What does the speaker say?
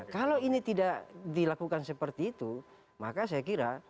kalau ini tidak dilakukan seperti itu maka saya kira